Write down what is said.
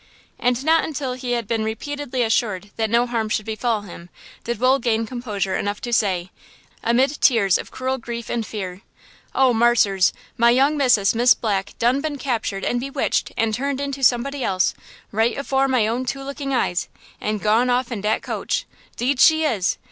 And not until he had been repeatedly assured that no harm should befall him did Wool gain composure enough to say, amid tears of cruel grief and fear: "Oh, marsers! my young missus, Miss Black, done been captured and bewitched and turned into somebody else, right afore my own two looking eyes and gone off in dat coach! 'deed she is!